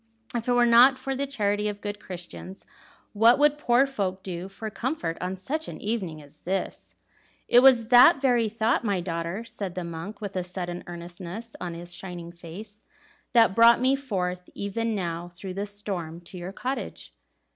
"If it were not for the charity of good Christians, what would poor folk do for comfort on such an evening as this?" "It was that very thought, my daughter," said the monk, with a sudden earnestness on his shining face, "that brought me forth even now through the storm to your cottage."